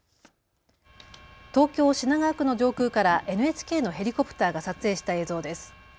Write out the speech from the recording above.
東京品川区の上空からＮＨＫのヘリコプターが撮影した映像です。